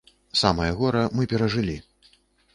Самае гора мы перажылі.